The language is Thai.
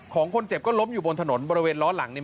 ของคนเจ็บก็ล้มอยู่บนถนนบริเวณล้อหลังเนี่ย